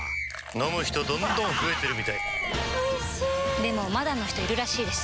飲む人どんどん増えてるみたいおいしでもまだの人いるらしいですよ